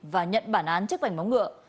và nhận bản án chức vảnh móng ngựa